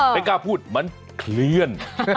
ไม่กล้าพูดมันเคลื่อน